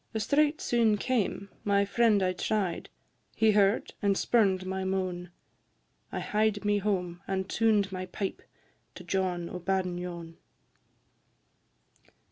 A strait soon came: my friend I try'd; He heard, and spurn'd my moan; I hied me home, and tuned my pipe To John o' Badenyon.